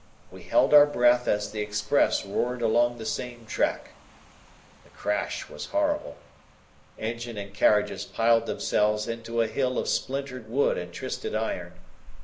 We held our breath as the express roared along the same track. The crash was horrible. Engine and carriages piled themselves into a hill of splintered wood and twisted iron.